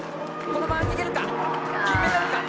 このまま逃げるか⁉金メダルか？